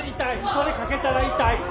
それかけたら痛い。